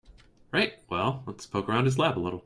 Right, well let's poke around his lab a little.